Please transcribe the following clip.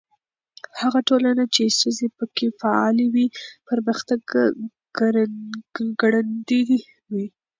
هغه ټولنه چې ښځې پکې فعالې وي، پرمختګ ګړندی وي.